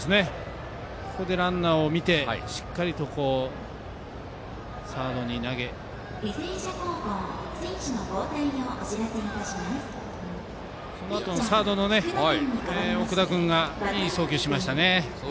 ここでランナーを見てしっかりとサードに投げそのあとのサードの奥田君がいい送球しましたね。